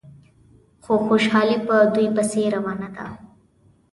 خو خوشحالي په دوی پسې روانه ده.